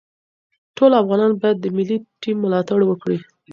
ټول افغانان باید د ملي ټیم ملاتړ وکړي.